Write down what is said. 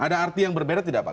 ada arti yang berbeda tidak pak